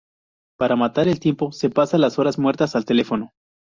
Para matar el tiempo se pasa las horas muertas al teléfono